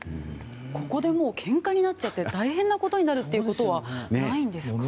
ここでけんかになって大変なことになることはないんですか？